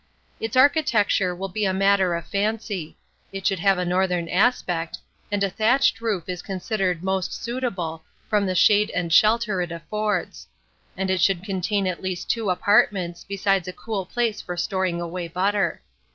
Its architecture will be a matter of fancy: it should have a northern aspect, and a thatched roof is considered most suitable, from the shade and shelter it affords; and it should contain at least two apartments, besides a cool place for storing away butter.